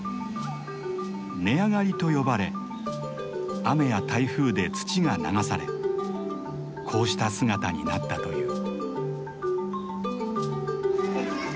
根上がりと呼ばれ雨や台風で土が流されこうした姿になったという。